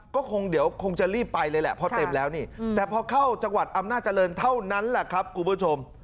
ก็คงเดี๋ยวคงจะรีบไปเลยแหละเพราะเต็มแล้วนี่แต่พอเข้าจังหวัดอำนาจเจริญเท่านั้นแหละครับคุณผู้ชม